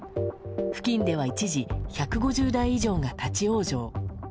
付近では一時１５０台以上が立ち往生。